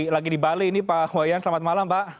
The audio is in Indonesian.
lagi di bali ini pak iwayan selamat malam pak